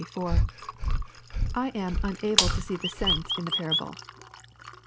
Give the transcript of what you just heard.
T am unable to see this sense in the parable.